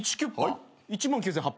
１万９，８００円？